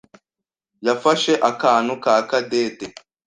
yafashe akantu ka Cadette.